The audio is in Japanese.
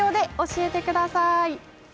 教えてください。